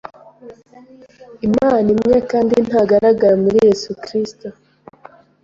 Imana imwe kandi ntagaragara muri Yesu Kristo